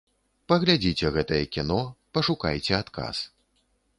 Паглядзіце гэтае кіно, пашукайце адказ.